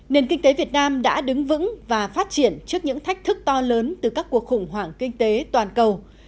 nền kinh tế việt nam đã đứng vững và phát triển trước những thách thức to lớn từ các cuộc khủng hoảng kinh tế toàn cầu